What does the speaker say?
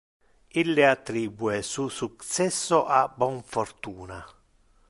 Ille attribue su successo a bon fortuna.